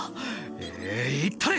「ええい行ったれ！